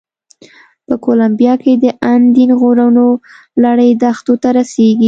په کولمبیا کې د اندین غرونو لړۍ دښتو ته رسېږي.